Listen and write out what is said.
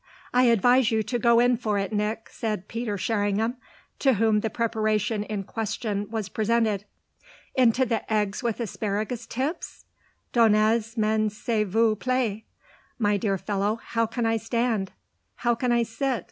"I advise you to go in for it, Nick," said Peter Sherringham, to whom the preparation in question was presented. "Into the eggs with asparagus tips? Donnez m'en s'il vous plaît. My dear fellow, how can I stand? how can I sit?